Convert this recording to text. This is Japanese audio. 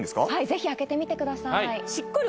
ぜひ開けてみてください